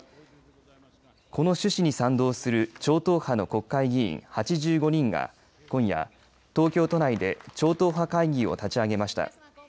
この趣旨に賛同する超党派の国会議員８５人が今夜、東京都内で超党派会議を立ち上げました。